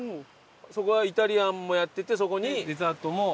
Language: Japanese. そこはイタリアンもやっててそこに。